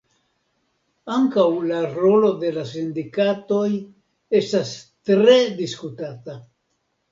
Ankaŭ la rolo de la sindikatoj estas tre diskutata.